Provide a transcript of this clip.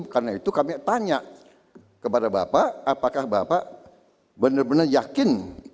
karena itu kami tanya kepada bapak apakah bapak benar benar yakin